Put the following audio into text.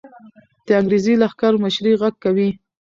د انګریزي لښکر مشري غږ کوي.